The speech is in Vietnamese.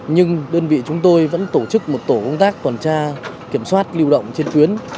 nhưng đơn vị chúng tôi vẫn tổ chức một tổ công tác tuần tra kiểm soát lưu động trên tuyến